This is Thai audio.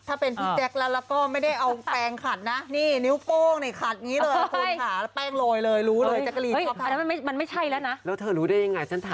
ถ้าเป็นจักรแล้วก็ไม่ได้เอาแปงถัดนะ